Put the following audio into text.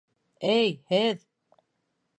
Эй, һеҙ!